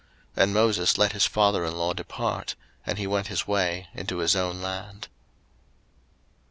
02:018:027 And Moses let his father in law depart; and he went his way into his own land.